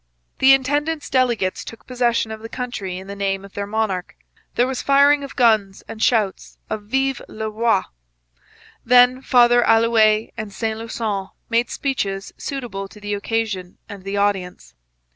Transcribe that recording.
The intendant's delegates took possession of the country in the name of their monarch. There was firing of guns and shouts of 'Vive le roi!' Then Father Allouez and Saint Lusson made speeches suitable to the occasion and the audience.